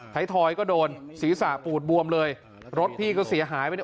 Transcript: ไทยทอยก็โดนศีรษะปูดบวมเลยรถพี่ก็เสียหายไปเนี่ย